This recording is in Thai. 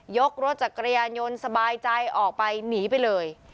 รถจักรยานยนต์สบายใจออกไปหนีไปเลย